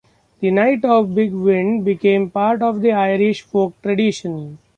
The Night of the Big Wind became part of Irish folk tradition.